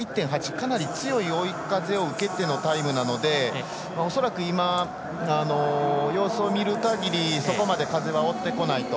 かなり強い追い風を受けてのタイムなので恐らく今、様子を見る限りそこまで風は追ってこないと。